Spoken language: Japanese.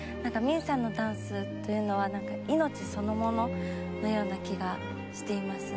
泯さんのダンスというのは命そのもののような気がしています。